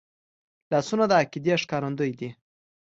لاسونه د عقیدې ښکارندوی دي